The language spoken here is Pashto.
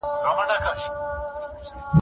د لوی ولس د برخلیک کتیبه لیک کړه!